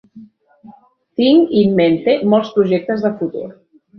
Tinc 'in mente' molts projectes de futur.